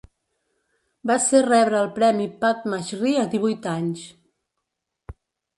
Va ser rebre el premi Padma Shri a divuit anys.